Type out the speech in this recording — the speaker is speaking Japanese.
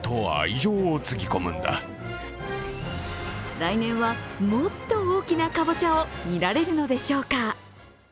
来年はもっと大きなかぼちゃを見られるのでしょうか。